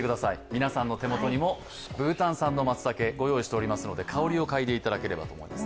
皆さんの手元にもブータン産の松茸ご用意していますので、香りを嗅いでいただければと思います。